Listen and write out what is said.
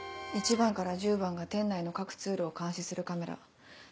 １番から１０番が店内の各通路を監視するカメラ。